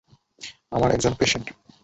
আমার একজন পেশেন্ট।